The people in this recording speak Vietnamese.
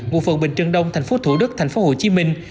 một phường bình trần đông thành phố thủ đức thành phố hồ chí minh